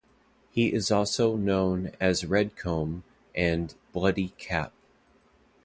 He is also known as Redcomb and Bloody Cap.